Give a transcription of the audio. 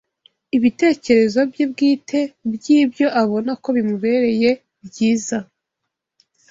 ibitekerezo bye bwite by’ibyo abona ko bimubereye byiza